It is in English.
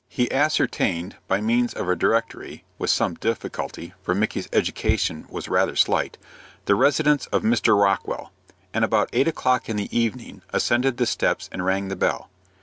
He ascertained, by means of a directory, with some difficulty, for Micky's education was rather slight, the residence of Mr. Rockwell, and about eight o'clock in the evening ascended the steps and rang the bell.